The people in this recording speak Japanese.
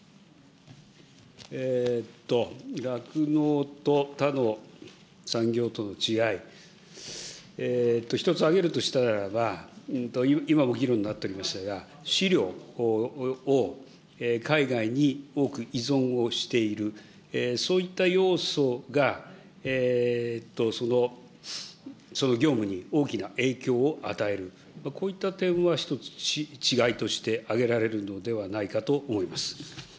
酪農と他の産業との違い、一つ挙げるとしたならば、今も議論になっておりましたが、飼料を、海外に多く依存をしている、そういった要素がその業務に大きな影響を与える、こういった点は一つ、違いとして挙げられるのではないかと思います。